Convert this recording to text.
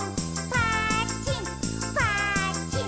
「ぱっちんぱっちん」